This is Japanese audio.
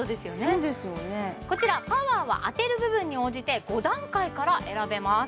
そうですよねこちらパワーは当てる部分に応じて５段階から選べます